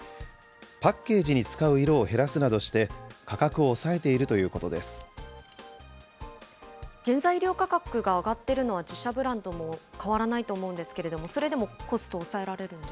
パッケージに使う色を減らすなどして、価格を抑えているというこ原材料価格が上がっているのは、自社ブランドも変わらないと思うんですけども、それでもコス